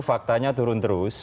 faktanya turun terus